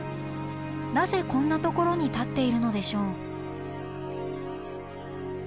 なぜこんなところに建っているのでしょう？